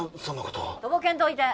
とぼけんといて。